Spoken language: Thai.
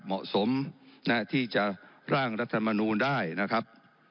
เหมาะสมที่จะร่างรัฐมนูลได้นะครับ